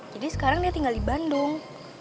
jadi sekarang dia tinggal di bandung